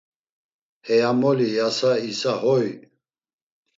Heyamoli yasa isa hoy…